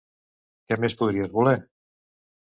Què més podies voler?